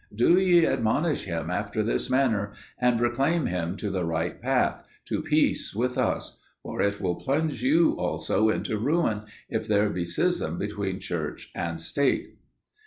Do ye admonish him after this manner, and reclaim him to the right path, to peace with us; for it will plunge you also into ruin, if there be schism between church and state."